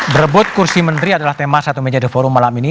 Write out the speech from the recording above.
berebut kursi menteri adalah tema satu meja the forum malam ini